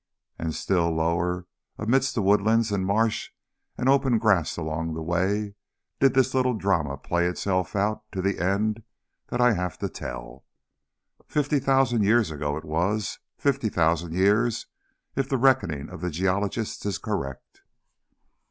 And still lower amidst the woodland and marsh and open grass along the Wey did this little drama play itself out to the end that I have to tell. Fifty thousand years ago it was, fifty thousand years if the reckoning of geologists is correct.